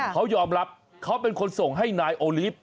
เขายอมรับเขาเป็นคนส่งให้นายโอลีฟ